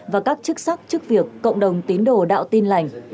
và các chức sắc trước việc cộng đồng tín đồ đạo tin lạnh